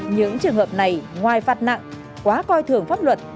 những trường hợp này ngoài phạt nặng quá coi thường pháp luật